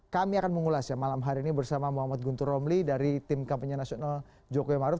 kami akan mengulas ya malam hari ini bersama muhammad guntur romli dari tim kampanye nasional jokowi maruf